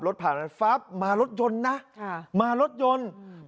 รถผ่านมารถยนต์นะอ่ามารถยนต์อืม